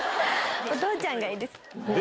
お父ちゃんがいいです。